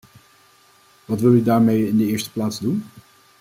Wat wil u daarmee in de eerste plaats doen?